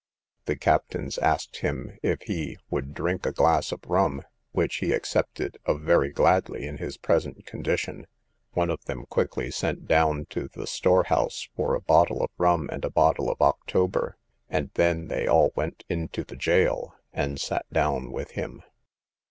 The captains asked him if he would drink a glass of rum, which he accepted of very gladly in his present condition; one of them quickly sent down to the storehouse for a bottle of rum and a bottle of October, and then they all went into the gaol, and sat down with him.